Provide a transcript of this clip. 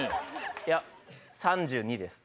いや、３２です。